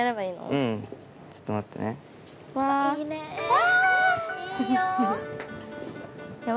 うんちょっと待ってねわあわ！